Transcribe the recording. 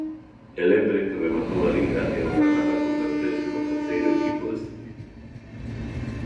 E lembren que rematou a Liga e o Granada converteuse no terceiro equipo descendido.